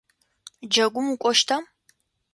Джэгум укӏощта?